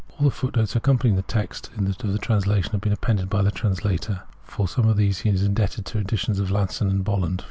All the footnotes accompanying the text of the trans lation have been appended by the translator. For sojTie of these he is indebted to the editions of Lasson and Bolland.